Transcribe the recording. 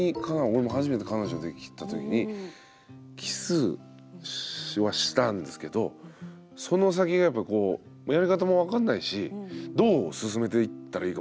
俺も初めて彼女できたときにキスはしたんですけどその先がやっぱこうまあやり方もわかんないしどう進めていったらいいかもわかんないし。